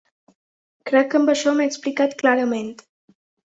Crec que amb això m’he explicat clarament.